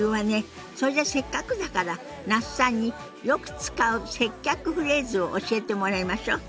それじゃせっかくだから那須さんによく使う接客フレーズを教えてもらいましょ。